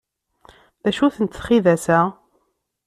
D acu-tent txidas-a?